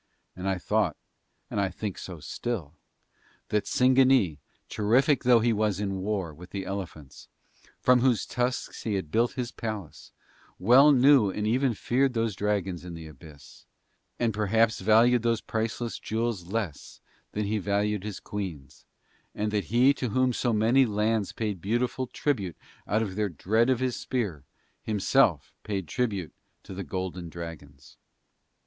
And I thought, and I think so still, that Singanee, terrific though he was in war with the elephants, from whose tusks he had built his palace, well knew and even feared those dragons in the abyss, and perhaps valued those priceless jewels less than he valued his queens, and that he to whom so many lands paid beautiful tribute out of their dread of his spear, himself paid tribute to the golden dragons.